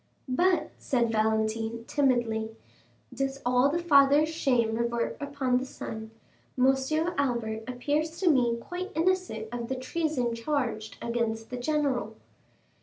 "But," said Valentine, timidly, "does all the father's shame revert upon the son? Monsieur Albert appears to me quite innocent of the treason charged against the general."